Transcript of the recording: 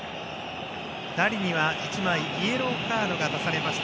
ダリには１枚イエローカードが出されました。